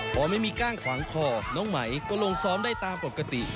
พอไม่มีก้างขวางคอน้องไหมก็ลงซ้อมได้ตามปกติ